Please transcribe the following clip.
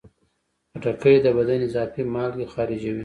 خټکی د بدن اضافي مالګې خارجوي.